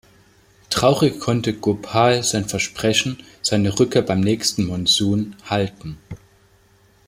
Traurig konnte Gopal sein Versprechen, seine Rückkehr beim nächsten Monsoon, halten.